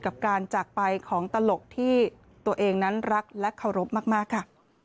กับการจากไปของตลกที่ตัวเองนั้นรักและเคารพมากค่ะ